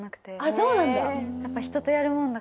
そうなんだ？